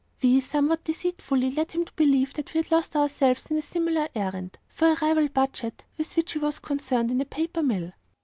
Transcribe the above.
We, somewhat deceitfully, led him to believe that we had lost ourselves on a similar errand, for a rival Budget, with which he was concerned in a Paper Mill.